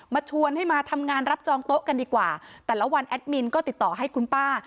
ชวนให้มาทำงานรับจองโต๊ะกันดีกว่าแต่ละวันแอดมินก็ติดต่อให้คุณป้า